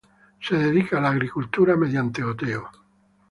Se dedica a la agricultura mediante goteo.